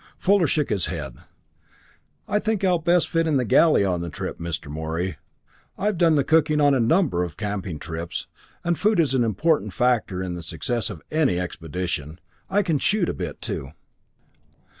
Fuller shook his head. "I think I'll fit best in the galley on the trip, Mr. Morey. I've done the cooking on a number of camping trips, and food is an important factor in the success of any expedition. I can shoot a bit, too."